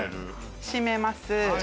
閉めます